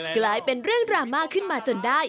กลายเป็นเรื่องดราม่าขึ้นมาจนได้